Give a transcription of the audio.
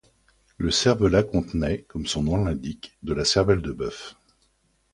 Le cervelas contenait, comme son nom l'indique, de la cervelle de bœuf.